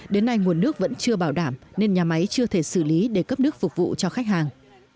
đến nay nguồn nước vẫn chưa bảo đảm nên nhà máy chưa thể xử lý để cấp nước phục vụ cho khách hàng